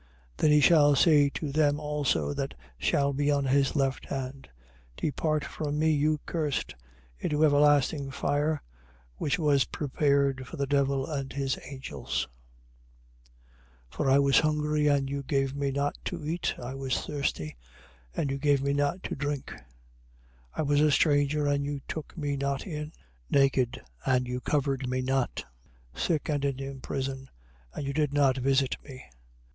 25:41. Then he shall say to them also that shall be on his left hand: Depart from me, you cursed, into everlasting fire, which was prepared for the devil and his angels. 25:42. For I was hungry and you gave me not to eat: I was thirsty and you gave me not to drink. 25:43. I was a stranger and you took me not in: naked and you covered me not: sick and in prison and you did not visit me.